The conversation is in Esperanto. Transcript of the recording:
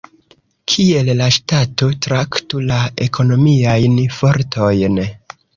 Kiel la ŝtato traktu la ekonomiajn fortojn?